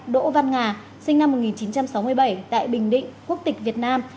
đỗ văn nga sinh năm một nghìn chín trăm sáu mươi bảy tại bình định quốc tịch việt nam